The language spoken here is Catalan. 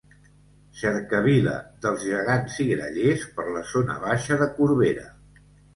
Cercavila dels Gegants i Grallers per la zona baixa de Corbera.